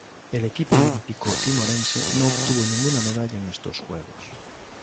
El equipo olímpico timorense no obtuvo ninguna medalla en estos Juegos.